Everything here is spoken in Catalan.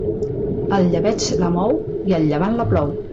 El llebeig la mou i el llevant la plou.